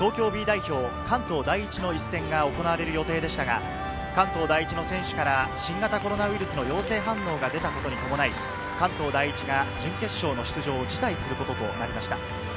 ・関東第一の一戦が行われる予定でしたが、関東第一の選手から新型コロナウイルスの陽性反応が出たことに伴い、関東第一が準決勝の出場を辞退することとなりました。